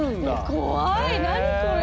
え怖い何これ。